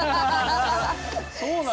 そうなのよ。